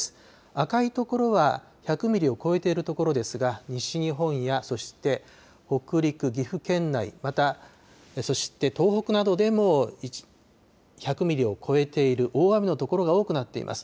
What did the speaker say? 赤い所は、１００ミリを超えている所ですが、西日本や、そして北陸、岐阜県内、また東北などでも、１００ミリを超えている、大雨の所が多くなっています。